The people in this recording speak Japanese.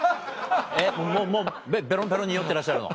えっもうべろんべろんに酔ってらっしゃるの？